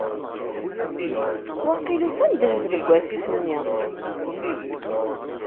Waqil ufan ddheb deg assif-nni.